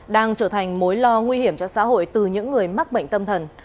đang trở thành mối lo nguy hiểm cho xã hội từ những người mắc bệnh tâm thần